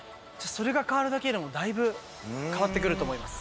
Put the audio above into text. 「それが変わるだけでもだいぶ変わってくると思います」